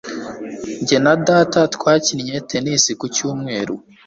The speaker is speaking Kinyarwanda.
Jye na data twakinnye tennis ku cyumweru.